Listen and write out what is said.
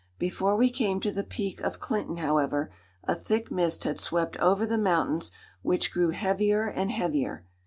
Before we came to the peak of Clinton, however, a thick mist had swept over the mountains, which grew heavier and heavier.